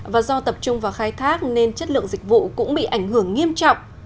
và do tập trung vào khai thác nên chất lượng dịch vụ cũng bị ảnh hưởng nghiêm trọng